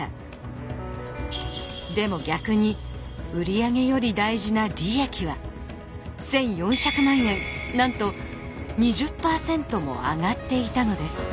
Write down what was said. でも逆に売り上げより大事な利益は１，４００万円なんと２０％も上がっていたのです。